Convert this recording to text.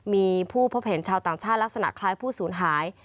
มีผู้พบเห็นชาวต่างชาติลักษณะคล้ายผู้สูญหาย